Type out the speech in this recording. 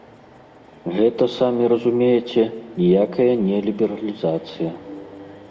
Гэта, самі разумееце, ніякая не лібералізацыя.